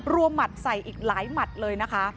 หมัดใส่อีกหลายหมัดเลยนะคะ